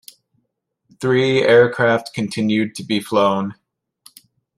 Three aircraft continued to be flown.